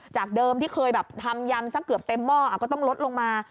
จากเดิมที่เคยแบบทำยำสักเกือบเต็มหม้อก็ต้องลดลงมา